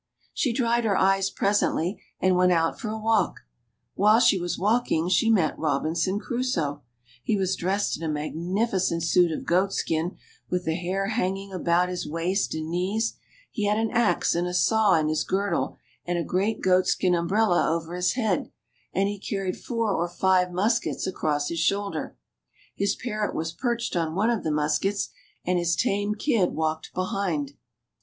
She dried her eyes presently, and went out for a walk. While she was walking she met Robinson Crusoe. He was dressed in a magnificent suit of goatskin, with the hair hanging about his waist and knees ; he had an axe and a saw in his girdle, and a great goatskin umbrella over his head, and he carried four or five muskets across his shoulder ; his parrot was perched on one of the muskets, and his tame kid walked behind.